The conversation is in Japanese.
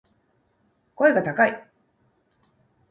声が高い